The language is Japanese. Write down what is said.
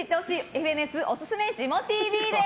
ＦＮＳおすすめジモＴＶです。